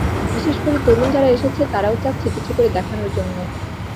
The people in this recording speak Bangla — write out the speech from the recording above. বিশেষ করে তরুণ যারা এসেছে, তারাও চাচ্ছে কিছু করে দেখানোর জন্য।